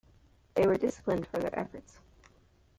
They were disciplined for their efforts.